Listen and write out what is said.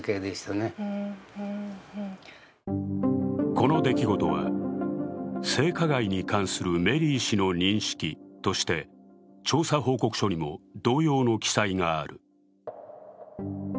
この出来事は「性加害に関するメリー氏の認識」として調査報告書にも同様の記載がある。